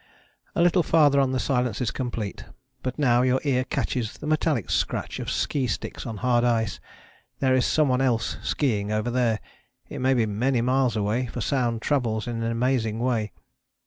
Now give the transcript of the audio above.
A little farther on the silence is complete. But now your ear catches the metallic scratch of ski sticks on hard ice; there is some one else ski ing over there, it may be many miles away, for sound travels in an amazing way.